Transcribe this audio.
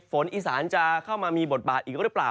ฝนอีสานจะเข้ามามีบทบาทอีกหรือเปล่า